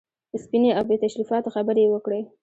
سپینې او بې تشریفاتو خبرې یې وکړې.